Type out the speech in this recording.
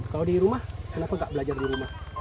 kalau di rumah kenapa nggak belajar di rumah